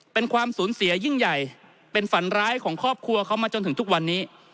เป็นความสูญเสียยิ่งใหญ่เป็นฝันร้ายของครอบครัวเขามาจนถึงทุกวันนี้